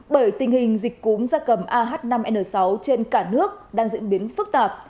bởi tình hình dịch cúm gia cầm ah năm n sáu trên cả nước đang diễn biến phức tạp